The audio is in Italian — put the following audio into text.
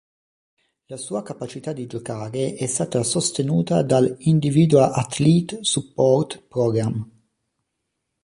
La sua capacità di giocare è stata sostenuta dal Individual Athlete Support Program.